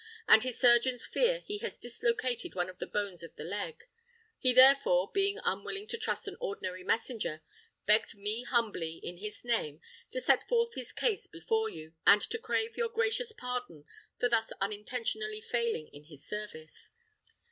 and his surgeons fear he has dislocated one of the bones of the leg. He, therefore, being unwilling to trust an ordinary messenger, begged me humbly, in his name, to set forth his case before you, and to crave your gracious pardon for thus unintentionally failing in his service."